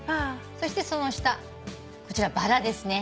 そしてその下こちらバラですね。